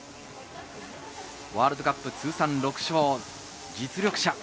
ワールドカップ通算６勝の実力者。